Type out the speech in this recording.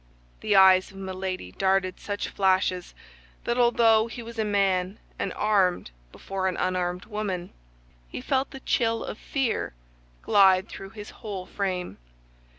The eyes of Milady darted such flashes that although he was a man and armed before an unarmed woman, he felt the chill of fear glide through his whole frame.